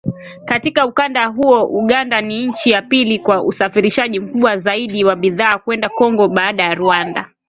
Katika ukanda huo Uganda ni nchi ya pili kwa usafirishaji mkubwa zaidi wa bidhaa kwenda Kongo baada ya Rwanda